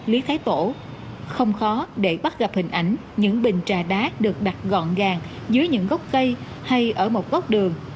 lý thái tổ không khó để bắt gặp hình ảnh những bình trà đát được đặt gọn gàng dưới những gốc cây hay ở một góc đường